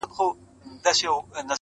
زیارت وتاته نه رسیږي.!